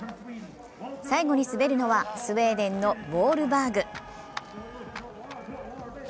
最後に滑るのは、スウェーデンのウォールバーグ。